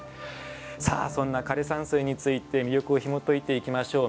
さあそんな枯山水について魅力をひもといていきましょう。